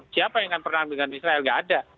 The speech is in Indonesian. siapa yang akan pernah dengan israel nggak ada